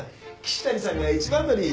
岸谷さんが一番乗り。